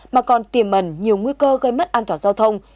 mà còn tiềm ẩn nhiều nguy cơ gây mất an toàn giao thông